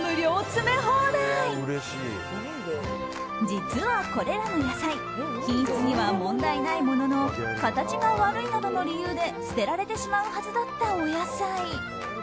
実は、これらの野菜品質には問題ないものの形が悪いなどの理由で捨てられてしまうはずだったお野菜。